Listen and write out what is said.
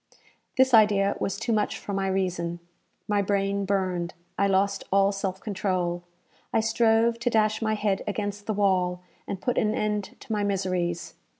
This idea was too much for my reason. My brain burned I lost all self control I strove to dash my head against the wall, and put an end to my miseries.